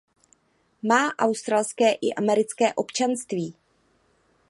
Má australské i americké občanství.